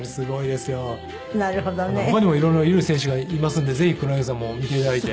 他にも色々いい選手がいますんでぜひ黒柳さんも見て頂いて。